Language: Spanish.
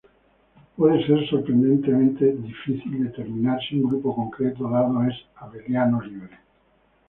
Puede ser sorprendentemente difícil determinar si un grupo concreto dado es abeliano libre.